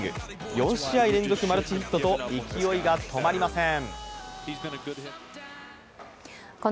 ４試合連続マルチヒットと勢いが止まりません。